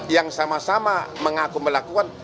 yang sama sama mengaku melakukan